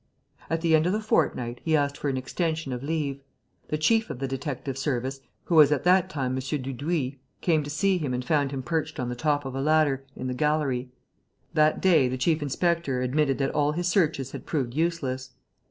At the end of the fortnight, he asked for an extension of leave. The chief of the detective service, who was at that time M. Dudouis, came to see him and found him perched on the top of a ladder, in the gallery. That day, the chief inspector admitted that all his searches had proved useless.